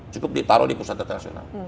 cukup ditaruh di pusat data nasional